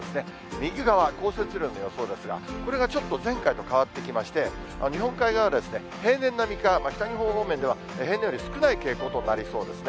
右側、降雪量の予想ですが、これがちょっと前回と変わってきまして、日本海側は平年並みか、北日本方面では、平年より少ない傾向となりそうですね。